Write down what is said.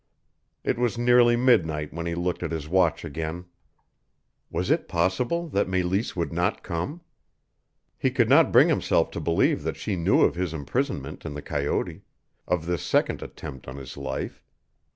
It was nearly midnight when he looked at his watch again. Was it possible that Meleese would not come? He could not bring himself to believe that she knew of his imprisonment in the coyote of this second attempt on his life.